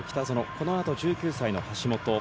このあと１９歳の橋本。